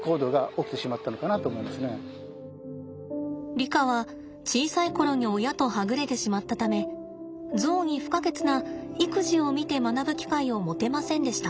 リカは小さい頃に親とはぐれてしまったためゾウに不可欠な育児を見て学ぶ機会を持てませんでした。